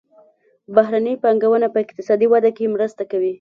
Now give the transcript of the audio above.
بهرنۍ پانګونه په اقتصادي وده کې مرسته کوي.